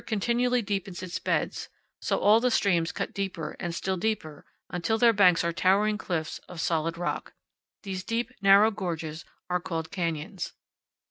continually deepens its beds; so all the streams cut deeper and still deeper, until their banks are towering cliffs of solid rock. These deep, narrow gorges are called canyons.